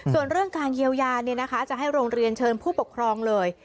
ส่วนเรื่องการเยียวยาจะให้โรงเรียนเชิญผู้ปกครองเลย